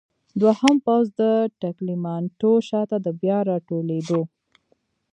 دوهم پوځ د ټګلیامنتو شاته د بیا راټولېدو.